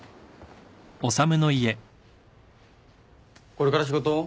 これから仕事？